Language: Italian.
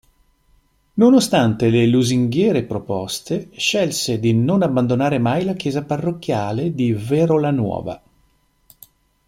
Nonostante le lusinghiere proposte scelse di non abbandonare mai la chiesa parrocchiale di Verolanuova.